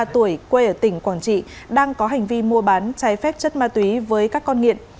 hai mươi ba tuổi quê ở tỉnh quảng trị đang có hành vi mua bán trái phép chất ma tùy với các con nghiện